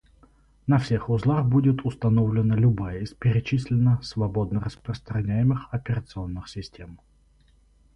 На всех узлах будет установлена любая из перечисленных свободно-распространяемых операционных систем